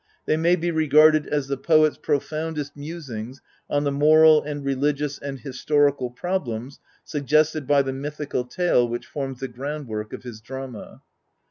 They may be regarded as the poet's profoundest musings on the moral and religious and historical problems suggested by the mythical tale which forms the groundwork of his drama.